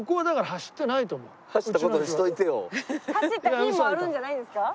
走った日もあるんじゃないですか？